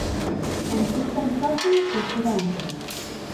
Kontsulta itzazu zozketa guztiak.